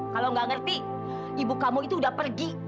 kalau nggak ngerti ibu kamu itu udah pergi